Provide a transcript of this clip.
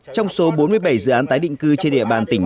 trong số bốn mươi bảy dự án tái định cư trên địa bàn tỉnh